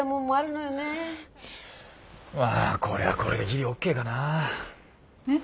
まあこれはこれでギリＯＫかな。えっ？